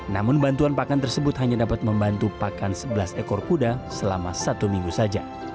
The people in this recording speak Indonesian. namun bantuan pakan tersebut hanya dapat membantu pakan sebelas ekor kuda selama satu minggu saja